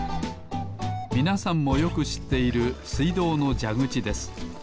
みなさんもよくしっているすいどうのじゃぐちです。